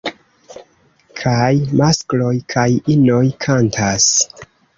Kaj maskloj kaj inoj kantas.